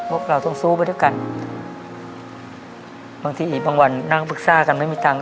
พวกเราต้องสู้ไปด้วยกันบางทีอีกบางวันนั่งพึกซ่ากันไม่มีตังค์